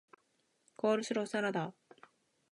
コールスローサラダ